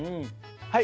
はい！